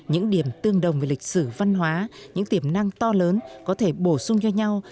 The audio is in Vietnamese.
những điểm tương đồng về lịch sử văn hóa những tiềm năng to lớn có thể bổ sung cho nhau